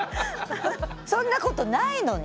そんなことないのに。